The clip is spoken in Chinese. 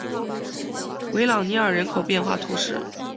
维朗涅尔人口变化图示